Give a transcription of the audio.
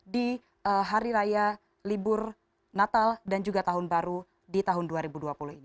di hari raya libur natal dan juga tahun baru di tahun dua ribu dua puluh ini